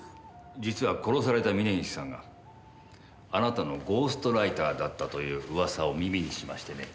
実は殺された峰岸さんがあなたのゴーストライターだったという噂を耳にしましてね。